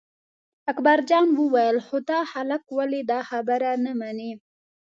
اکبرجان وویل خو دا خلک ولې دا خبره نه مني.